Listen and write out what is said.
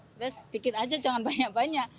kita sedikit aja jangan banyak banyak